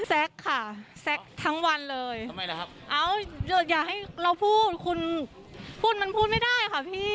แซ็กค่ะแซ็กทั้งวันเลยเอ้าอย่าให้เราพูดมันพูดไม่ได้ค่ะพี่